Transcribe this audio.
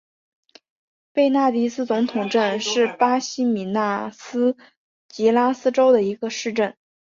贝纳迪斯总统镇是巴西米纳斯吉拉斯州的一个市镇。